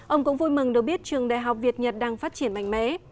ông cũng vui mừng được biết trường đại học việt nhật đang phát triển mạnh mẽ